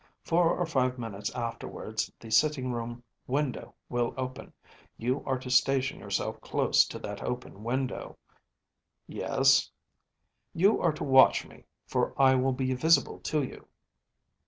Four or five minutes afterwards the sitting room window will open. You are to station yourself close to that open window.‚ÄĚ ‚ÄúYes.‚ÄĚ “You are to watch me, for I will be visible to you.